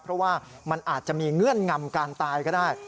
เพราะว่ามันอาจจะมีเงื่อนงำการตายก็ได้